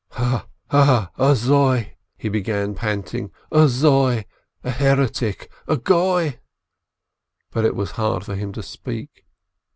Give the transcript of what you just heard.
"Ha — ha — azoi !" he began panting. "Azoi ! A heretic! A Goi." But it was hard for him to speak.